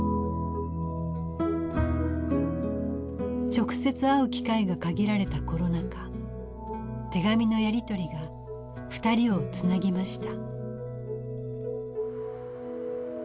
直接会う機会が限られたコロナ禍手紙のやり取りが二人をつなぎました。